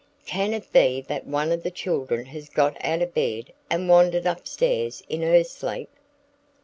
"Can it be that one of the children has got out of bed and wandered up stairs in her sleep?"